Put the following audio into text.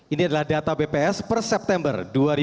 ini adalah data bps per september dua ribu dua puluh